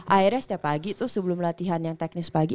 akhirnya setiap pagi tuh sebelum latihan yang teknis pagi